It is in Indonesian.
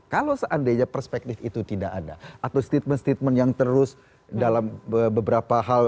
kalau seandainya perspektif itu tidak ada atau statement statement yang terus dalam beberapa hal